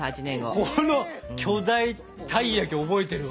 この巨大たい焼き覚えてるわ。